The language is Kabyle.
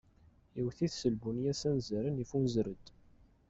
Iwwet-it s lbunya s anzaren iffunzer-d.